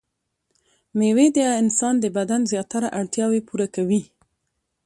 مېوې د انسان د بدن زياتره اړتياوې پوره کوي.